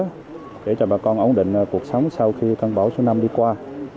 ngày sau khi cơn bão đi qua chính quyền địa phương đã đến hỗ trợ giúp đỡ sửa chữa lại nhà cửa